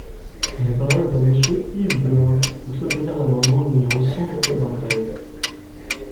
La parole est à Monsieur Yves Blein, pour soutenir l’amendement numéro cent quatre-vingt-treize.